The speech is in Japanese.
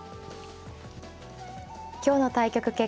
今日の対局結果です。